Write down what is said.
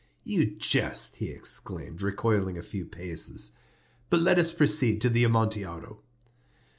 "You jest," he exclaimed, recoiling a few paces. "But let us proceed to the Amontillado."